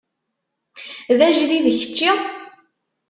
D ajdid kečči?